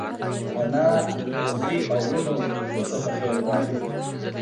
انا له زوی او لوڼو خیر غواړي